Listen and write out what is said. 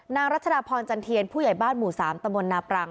นางรัชดาพรจันเทียนผู้ใหญ่บ้านหมู่๓ตะบนนาปรัง